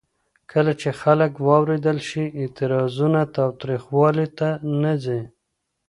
کله چې خلک واورېدل شي، اعتراضونه تاوتریخوالي ته نه ځي.